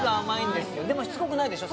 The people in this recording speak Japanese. でもしつこくないでしょ